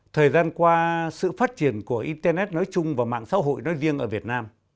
thời gian qua sự phát triển của internet nói chung và mạng xã hội nói riêng ở việt nam